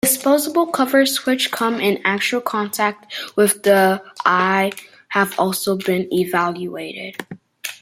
Disposable covers, which come in actual contact with the eye, have also been evaluated.